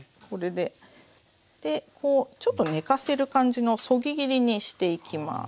でこうちょっと寝かせる感じのそぎ切りにしていきます。